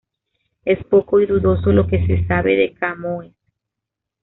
Es poco y dudoso lo que se sabe de Camões.